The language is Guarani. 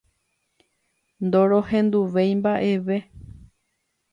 Norohenduvéi mba'eve.